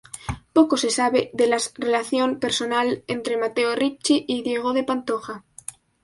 Poco se sabe de las relación personal entre Matteo Ricci y Diego de Pantoja.